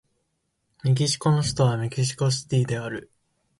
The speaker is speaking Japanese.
メキシコの首都はメキシコシティである